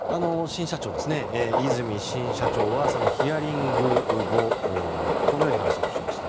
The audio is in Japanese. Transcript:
和泉新社長はそのヒアリング後このように話をしました。